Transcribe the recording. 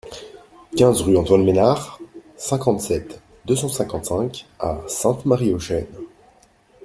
quinze rue Antoine Ménard, cinquante-sept, deux cent cinquante-cinq à Sainte-Marie-aux-Chênes